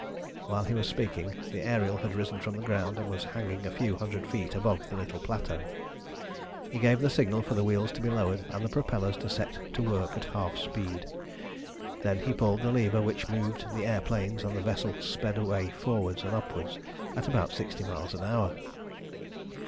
While he was speaking the Ariel had risen from the ground, and was hanging a few hundred feet above the little plateau. He gave the signal for the wheels to be lowered, and the propellers to set to work at half speed. Then he pulled the lever which moved the air planes, and the vessel sped away forwards and upwards at about sixty miles an hour.